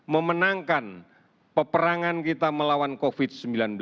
memenangkan peperangan kita melawan covid sembilan belas